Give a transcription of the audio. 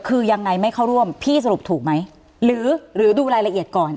คือยังไงไม่เข้าร่วมพี่สรุปถูกไหมหรือดูรายละเอียดก่อน